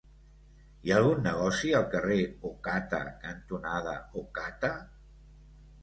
Hi ha algun negoci al carrer Ocata cantonada Ocata?